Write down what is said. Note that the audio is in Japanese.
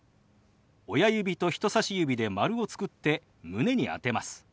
親指と人さし指で丸を作って胸に当てます。